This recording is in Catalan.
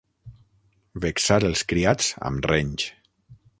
Vexar els criats amb renys.